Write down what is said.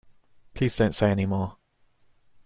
Please don't say any more.